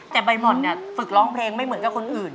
แต่ใบหม่อนเนี่ยฝึกร้องเพลงไม่เหมือนกับคนอื่น